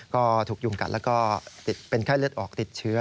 ก็ถูกยุงกัดแล้วก็ติดเป็นไข้เลือดออกติดเชื้อ